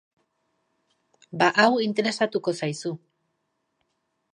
Ba hau interesatuko zaizu.